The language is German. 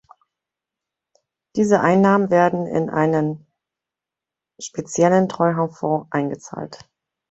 Diese Einnahmen werden in einen speziellen Treuhandfonds eingezahlt.